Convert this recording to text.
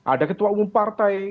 ada ketua umum partai